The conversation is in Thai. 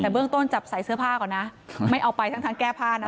แต่เบื้องต้นจับใส่เสื้อผ้าก่อนนะไม่เอาไปทั้งแก้ผ้านะ